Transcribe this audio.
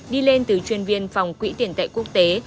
đi lên từ chuyên viên phòng quỹ tiền tệ quốc tế